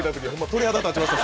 鳥肌立ちました。